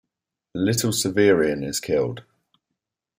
Little Severian is killed.